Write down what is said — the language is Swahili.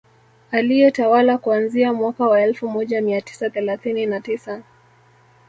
Aliyetawala kuanzia mwaka wa elfu moja mia tisa thelathini na tisa